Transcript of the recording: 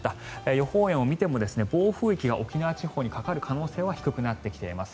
予報円を見ても暴風域が沖縄地方にかかる可能性は低くなってきています。